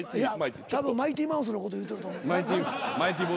たぶん『マイティ・マウス』のこと言うとると思う。